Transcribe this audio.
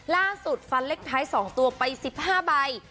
ล่าสุดฟันเล็กไทส์สองตัวไปสิบห้าใบ